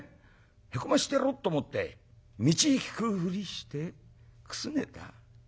へこましてやろうと思って道聞くふりしてくすねた？